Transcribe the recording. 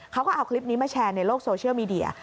เขาก็เอาคลิปนี้มาแชร์ในโลกโซเชียลมีเดีย